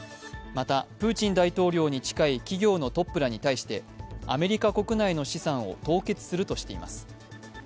またプーチン大統領に近い企業のトップらに対してアメリカ国内の資産を凍結するとしています。